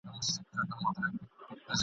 چي ناوخته به هیلۍ کله راتللې ..